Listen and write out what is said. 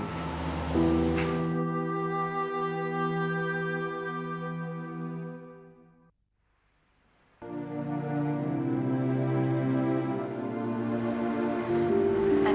aku pasti kasihan